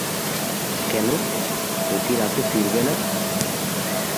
কেন, ও কি রাতে ফিরবে না?